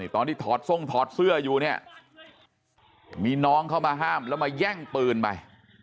ถอดทรงถอดเสื้ออยู่เนี่ยมีน้องเข้ามาห้ามแล้วมาแย่งปืนไป